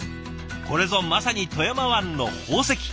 これぞまさに富山湾の宝石。